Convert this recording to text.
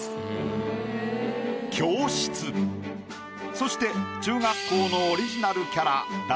そして中学校のオリジナルキャラ館